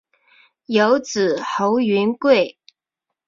有子侯云桂。